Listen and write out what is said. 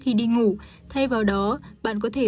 khi đi ngủ thay vào đó bạn có thể